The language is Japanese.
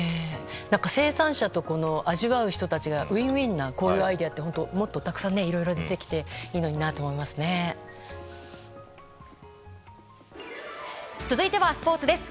生産者と味わう人たちがウィンウィンなこういうアイデアってもっとたくさん続いては、スポーツです。